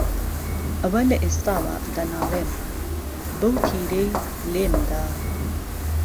ئەوە لە ئێستاوە دەنالێم، بەو تیرەی لێم دا